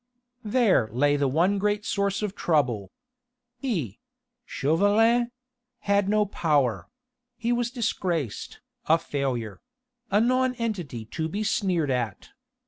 There lay the one great source of trouble! He Chauvelin had no power: he was disgraced a failure a nonentity to be sneered at.